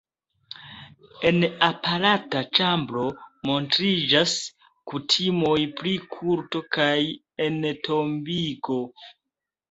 En aparta ĉambro montriĝas kutimoj pri kulto kaj entombigo.